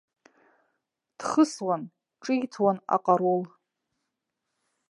Дхысуан, ҿиҭуан аҟарул.